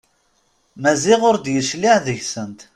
Maziɣ ur d-yecliɛ deg-sent.